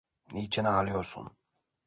Niçin ağlıyorsun?